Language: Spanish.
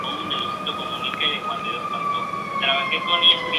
En ambos casos Clayton acusó a Keith de crueldad y alcoholismo.